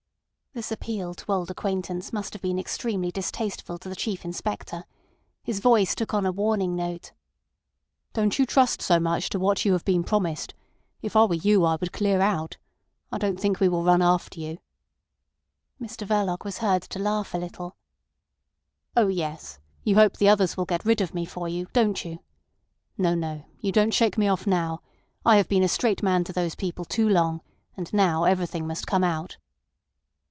This appeal to old acquaintance must have been extremely distasteful to the Chief Inspector. His voice took on a warning note. "Don't you trust so much to what you have been promised. If I were you I would clear out. I don't think we will run after you." Mr Verloc was heard to laugh a little. "Oh yes; you hope the others will get rid of me for you—don't you? No, no; you don't shake me off now. I have been a straight man to those people too long, and now everything must come out."